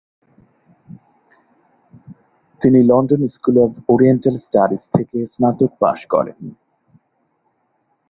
তিনি London school of Oriental studies থেকে স্নাতক পাশ করেন।